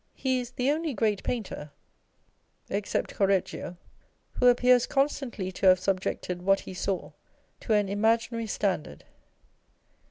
He is the only great painter (except Cor reggio) who appears constantly to have subjected what he saw to an imaginary standard.